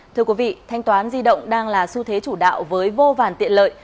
thưa quý vị thanh toán di động đang là xu thế chủ đạo với vô vàn tiện lợi